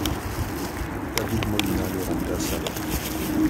David Molina le remplace alors.